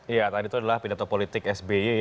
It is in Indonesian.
ya tadi itu adalah pidato politik sby ya